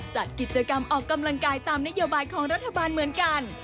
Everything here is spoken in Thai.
จัดกิจกรรมออกกำลังกายตามนโยบายของรัฐบาลเหมือนกัน